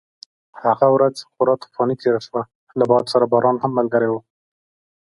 هغه ورځ خورا طوفاني تېره شوه، له باد سره باران هم ملګری و.